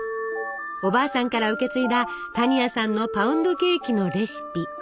おばあさんから受け継いだ多仁亜さんのパウンドケーキのレシピ。